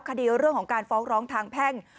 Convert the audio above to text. คดีเรื่องของการฟ้องร้องทางแพ่ง